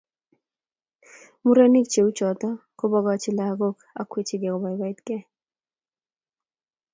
Murenik cheuchuto kobokochi lagokchi ak kwechikei kobaibaitkei